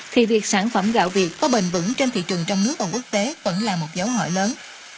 thì việc sản phẩm gạo việt có bền vững trên thị trường trong nước và quốc tế vẫn là một dấu hỏi lớn